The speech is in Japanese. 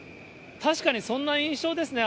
確かにそんな印象ですね。